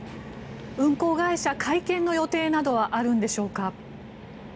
運航会社会見の予定などはあるんでしょうか。